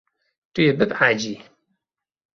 Tu yê bibehecî.